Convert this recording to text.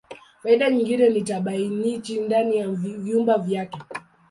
Faida nyingine ni tabianchi ndani ya vyumba vyake.